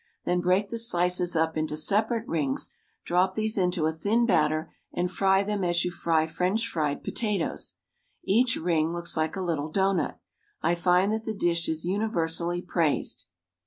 Then break the slices up into separate rings, drop these into a thin batter and fry them as you fry French fried potatoes. Each ring looks like a little doughnut. I find that the dish is universally praised.